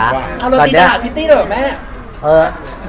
เอาโรตีด่าพิตตี้เลยเหรอแม่